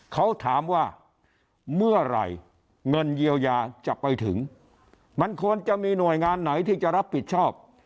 เขาถามว่าเมื่อไหร่เงินเยียวยาจะไปถึงมันควรจะมีหน่วยงานไหนที่จะรับผิดชอบ